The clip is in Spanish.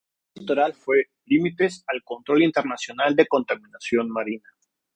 Su tesis doctoral fue "Límites al control internacional de contaminación marina".